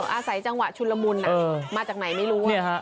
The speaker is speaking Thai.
อาศัยจังหวะชุนละมุนมาจากไหนไม่รู้